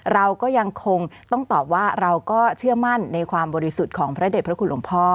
เราก็ยังคงต้องตอบว่าเราก็เชื่อมั่นในความบริสุทธิ์ของพระเด็จพระคุณหลวงพ่อ